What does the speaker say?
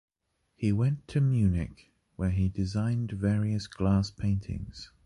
He went to Munich, where he designed various glass paintings.